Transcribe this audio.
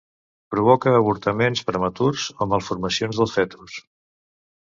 Provoca avortaments prematurs o malformacions del fetus.